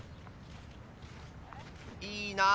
いいなあ！